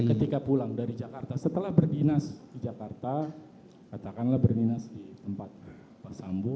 ketika pulang dari jakarta setelah berdinas di jakarta katakanlah berdinas di tempat pak sambo